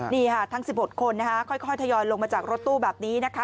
นี่ค่ะทั้ง๑๖คนค่อยทยอยลงมาจากรถตู้แบบนี้นะคะ